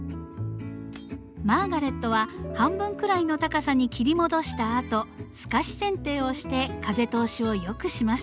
マーガレットは半分くらいの高さに切り戻したあとすかしせん定をして風通しをよくします。